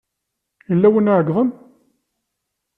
Yella win i iɛeyyḍen.